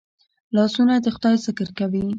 لاسونه د خدای ذکر کوي